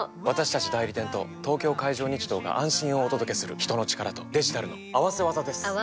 私たち代理店と東京海上日動が安心をお届けする人の力とデジタルの合わせ技です！